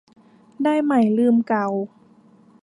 ได้ใหม่ลืมเก่า